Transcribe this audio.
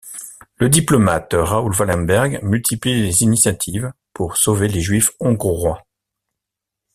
Le diplomate Raoul Wallenberg multiplie les initiatives pour sauver les Juifs hongrois.